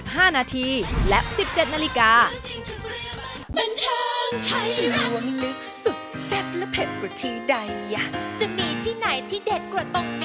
เป็นช่องไทรัตร์